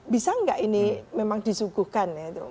bisa nggak ini memang disuguhkan ya itu